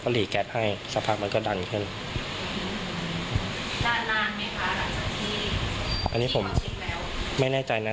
ก็หลีแก๊สให้สักพักมันก็ดันขึ้นดันนานไหมค่ะที่อันนี้ผมไม่แน่ใจนะ